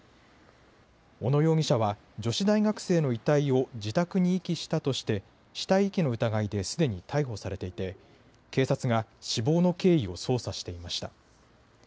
小野容疑者は女子大学生の遺体を自宅に遺棄したとして死体遺棄の疑いですでに逮捕されていて警察が死亡の経緯を捜査していました。